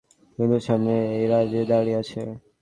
কিন্তু সামনে ওই রাজিয়া দাঁড়িয়ে আছে।